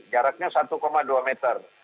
jaraknya satu dua meter